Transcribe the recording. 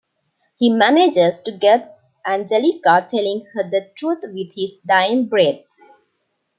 He manages to get to Angelica, telling her the truth with his dying breath.